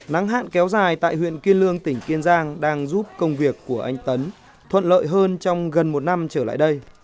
nắng hạn kéo dài tại huyện kiên lương tỉnh kiên giang đang giúp công việc của anh tấn thuận lợi hơn trong gần một năm trở lại đây